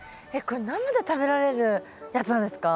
これ生で食べられるやつなんですか？